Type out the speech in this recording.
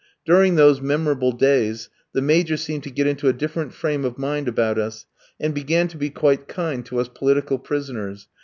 During those memorable days the Major seemed to get into a different frame of mind about us, and began to be quite kind to us political prisoners.